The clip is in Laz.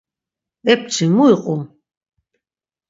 Epçi, mu iqu?